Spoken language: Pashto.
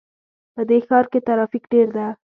په دې ښار کې ترافیک ډېر ده